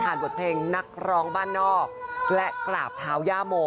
บทเพลงนักร้องบ้านนอกและกราบเท้าย่าโม